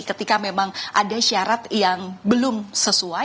ketika memang ada syarat yang belum sesuai